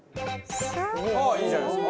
いいじゃないですか！